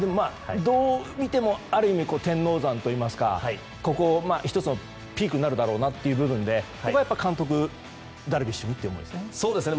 どう見てもある意味、天王山といいますかここ、１つのピークになるだろうなという部分でここは監督、ダルビッシュにと。